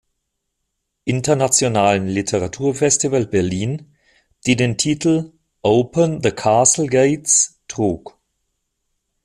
Internationalen Literaturfestival Berlin, die den Titel "Open The Castle Gates" trug.